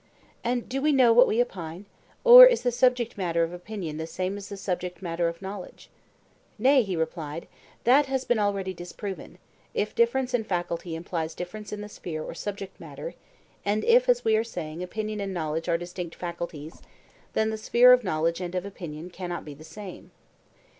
And do we know what we opine? or is the subject matter of opinion the same as the subject matter of knowledge? Nay, he replied, that has been already disproven; if difference in faculty implies difference in the sphere or subject matter, and if, as we were saying, opinion and knowledge are distinct faculties, then the sphere of knowledge and of opinion cannot be the same.